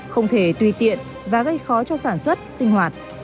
không thể tùy tiện và gây khó cho sản xuất sinh hoạt